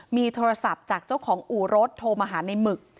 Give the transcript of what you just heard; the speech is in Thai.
มีโทรศัพท์จากเจ้าของอู่รถโทรมาหาในหมึก